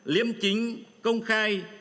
liêm chính công khai